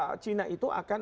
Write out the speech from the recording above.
maka beliau cina itu akan